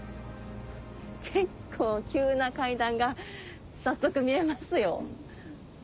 結構急な階段が早速見えますよ。